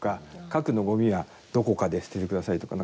核のゴミはどこかで捨ててくださいとか。